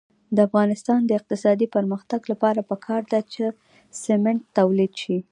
د افغانستان د اقتصادي پرمختګ لپاره پکار ده چې سمنټ تولید شي.